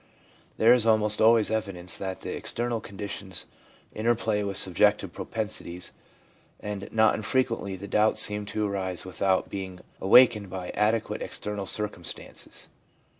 There is almost always evidence that the ex ternal conditions interplay with subjective propensities, and not infrequently the doubt seems to arise without being awakened by adequate external circumstances.